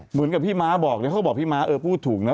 เหมือนกับพี่ม้าบอกเลยเขาบอกพี่ม้าเออพูดถูกนะ